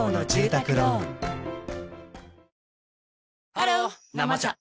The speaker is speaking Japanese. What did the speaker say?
ハロー「生茶」